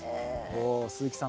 お鈴木さん